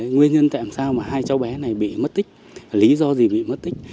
nguyên nhân tại làm sao mà hai cháu bé này bị mất tích lý do gì bị mất tích